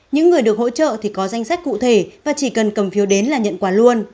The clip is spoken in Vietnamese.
những người được hỗ trợ thì có danh sách cụ thể và chỉ cần cầm phiếu đến là nhận quà luôn